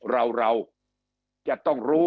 คำอภิปรายของสอสอพักเก้าไกลคนหนึ่ง